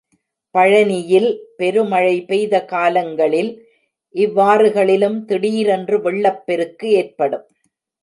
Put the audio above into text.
பழனியில் பெருமழை பெய்த காலங்களில் இவ்வாறுகளிலும் திடீரென்று வெள்ளப் பெருக்கு ஏற்படும்.